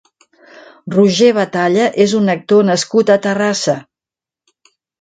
Roger Batalla és un actor nascut a Terrassa.